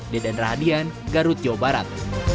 dedan radian garut jawa barat